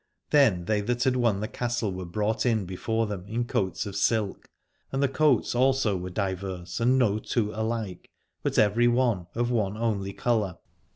Then they that had won the castle were brought in before them in coats of silk; and the coats also were diverse and no two alike, but every one of one only colour.